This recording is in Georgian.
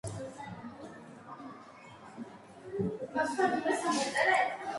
შედის ეკონომიკურ-სტატისტიკურ მიკრორეგიონ კოლორადუ-დუ-უესტის შემადგენლობაში.